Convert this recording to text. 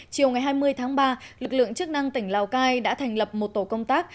chiều ngày hai mươi tháng ba lực lượng chức năng tỉnh lào cai đã thành lập một tổ công tác